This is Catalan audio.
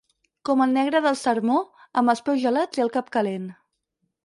Com el negre del sermó, amb els peus gelats i el cap calent.